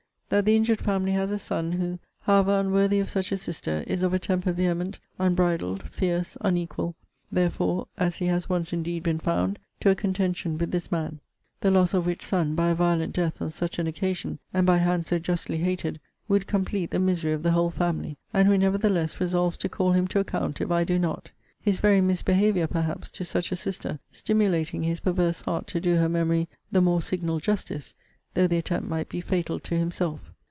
That the injured family has a son, who, however unworthy of such a sister, is of a temper vehement, unbridled, fierce; unequal, therefore, (as he has once indeed been found,) to a contention with this man: the loss of which son, by a violent death on such an occasion, and by a hand so justly hated, would complete the misery of the whole family; and who, nevertheless, resolves to call him to account, if I do not; his very misbehaviour, perhaps, to such a sister, stimulating his perverse heart to do her memory the more signal justice; though the attempt might be fatal to himself.